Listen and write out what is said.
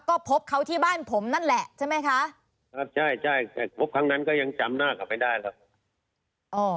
ก็พบเขาที่บ้านผมนั่นแหละใช่ไหมคะครับใช่ใช่แต่พบครั้งนั้นก็ยังจำหน้าเขาไม่ได้ครับ